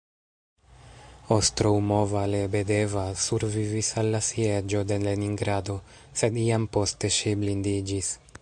Ostroumova-Lebedeva survivis al la Sieĝo de Leningrado, sed iam poste ŝi blindiĝis.